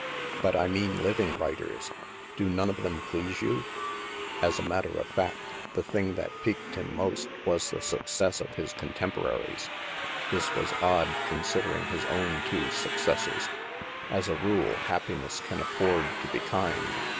But I mean living writers. Do none of them please you ?" As a matter of fact, the thing that piqued him most was the success of his contemporaries. This was odd, considering his own two successes. As a rule, happiness can afford to be kind.